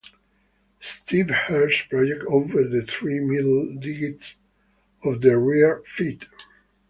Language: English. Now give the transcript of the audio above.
Stiff hairs project over the three middle digits of the rear feet.